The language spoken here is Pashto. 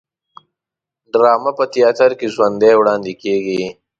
ډرامه په تیاتر کې ژوندی وړاندې کیږي